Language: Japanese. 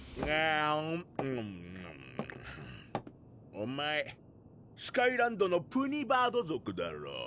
お前スカイランドのプニバード族だろ？